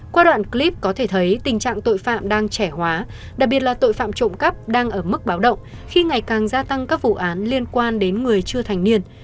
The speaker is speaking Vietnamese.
qua đoạn clip có thể thấy tình trạng tội phạm đang trẻ hóa đặc biệt là tội phạm trộm cắp đang ở mức báo động khi ngày càng gia tăng các vụ án liên quan đến người chưa thành niên